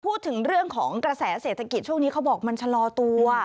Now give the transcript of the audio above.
พูดถึงเรื่องของกระแสเศรษฐกิจช่วงนี้เขาบอกมันชะลอตัว